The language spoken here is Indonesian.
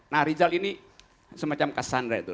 nah rizal ini semacam cassandra itu